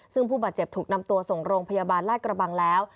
ซึ่งผู้บาดเจ็บถูกนำตัวส่งโรงพยาบาลลาดกระบังแล้ว